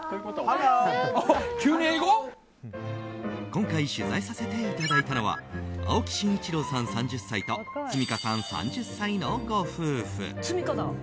今回取材させていただいたのは青木慎一郎さん、３０歳と都美香さん、３０歳のご夫婦。